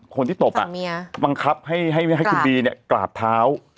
คนที่ตบบังคับให้บีกราบเท้า